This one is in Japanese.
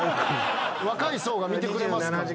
若い層が見てくれますからね。